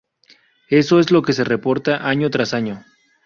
Eso es lo que se reporta año tras año.